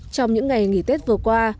trong những ngày nghỉ tết vừa qua